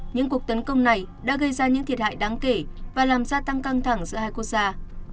những cuộc tấn công này đã gây ra những thiệt hại đáng kể và làm gia tăng căng thẳng giữa hai quốc gia